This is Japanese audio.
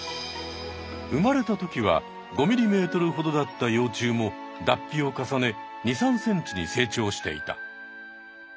生まれたときは５ｍｍほどだった幼虫も脱皮を重ね２３ｃｍに成長していた。